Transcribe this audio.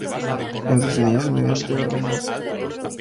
En sus inicios, mediante Ordenanza No.